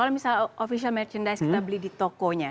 kalau misalnya official merchandise kita beli di tokonya